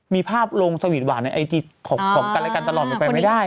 มีภาพลงสวีทหวานในไอจีของกันรายการตลอดมันไปไม่ได้